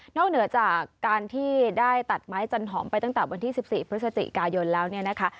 เหนือจากการที่ได้ตัดไม้จันหอมไปตั้งแต่วันที่๑๔พฤศจิกายนแล้วเนี่ยนะคะ